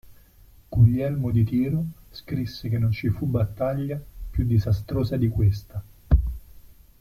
Guglielmo di Tiro scrisse che non ci fu battaglia più disastrosa di questa.